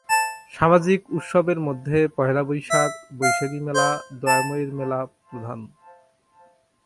সামাজিক উৎসবের মধ্যে পহেলা বৈশাখ, বৈশাখী মেলা, দয়াময়ীর মেলা প্রধান।